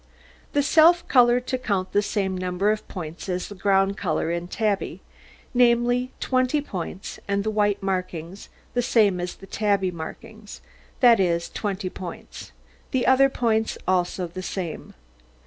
The self colour to count the same number of points as the ground colour in tabby, namely, twenty points, and the white markings the same as the tabby markings, that is, twenty points. The other points also the same.